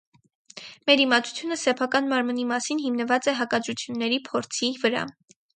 Մեր իմացությունը սեփական մարմնի մասին հիմնված է հակադրությունների փորձի վրա։